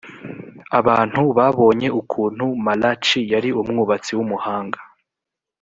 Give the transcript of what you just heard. abantu babonye ukuntu malachi yari umwubatsi w’umuhanga